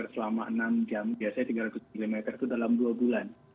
selama enam jam biasanya tiga ratus mm itu dalam dua bulan